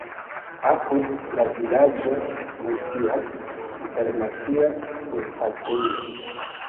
Apud la vilaĝo funkcias internacia limpasejo.